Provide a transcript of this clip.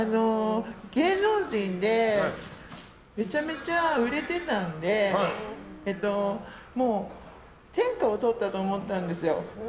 芸能人でめちゃめちゃ売れてたんで天下をとったと思ったんですよ。